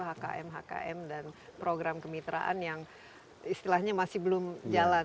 hkm hkm dan program kemitraan yang istilahnya masih belum jalan